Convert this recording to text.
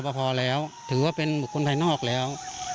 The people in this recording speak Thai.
ลอปภเร่วถือว่าเป็นผู้ค้นไทยนอกแล้ว